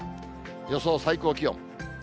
予想最高気温。